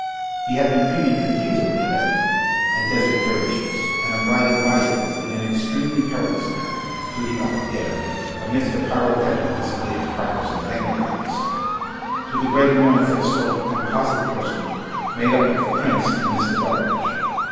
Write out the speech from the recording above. He had been dreaming confusedly of Edna, and Desert Dervishes, and of riding bicycles in an extremely perilous manner through the upper air amidst a pyrotechnic display of crackers and Bengal lights to the great annoyance of a sort of composite person made up of the Prince and Mr. Butteridge.